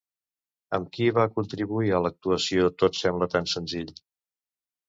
Amb qui va contribuir a l'actuació Tot sembla tan senzill?